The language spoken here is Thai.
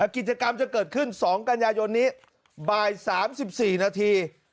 กิจกรรมจะเกิดขึ้น๒กันยายนนี้บ่าย๓๔นาที